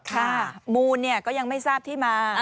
มูลก็ยังไม่ทราบที่มา